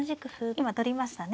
今取りましたね。